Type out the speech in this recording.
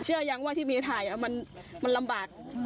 เชื่อยังว่าที่มีถ่ายมันลำบาก